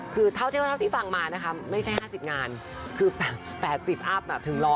คือเท่าที่ฟังมานะคะไม่ใช่๕๐งานคือ๘๐อัพถึง๑๐๐